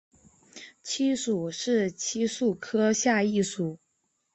漆属是漆树科下一属。